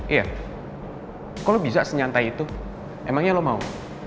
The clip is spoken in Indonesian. iya kok lo bisa senyantai itu emangnya lo mau